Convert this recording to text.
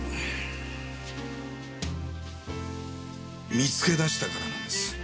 見つけ出したからなんです。